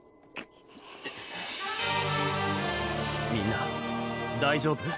みんな大丈夫？